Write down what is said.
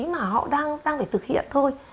mà họ đang phải thực hiện thôi